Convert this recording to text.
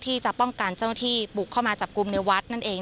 ที่จะป้องกันเจ้าหน้าที่บุกเข้ามาจับกลุ่มในวัดนั่นเอง